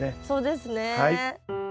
そうですね。